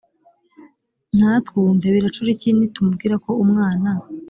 ntatwumve biracura iki nitumubwira ko umwana